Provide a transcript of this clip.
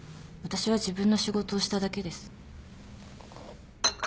私は自分の仕事をしただけです。